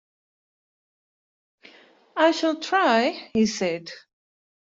"I shall try," he said.